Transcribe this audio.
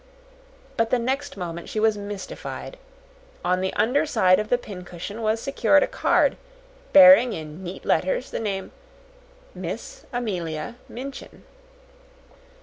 But the next moment she was mystified. On the under side of the pincushion was secured a card, bearing in neat letters the name "Miss Amelia Minchin."